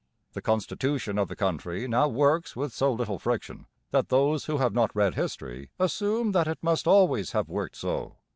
The constitution of the country now works with so little friction that those who have not read history assume that it must always have worked so.